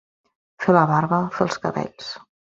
Fer la barba, fer els cabells.